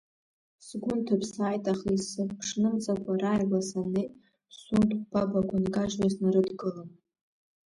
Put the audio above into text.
Сгәы нҭыԥсааит, аха исыԥшнымҵакәа, рааигәа саннеи, сунт хә-бабақәа нкажьуа, снарыдгылан…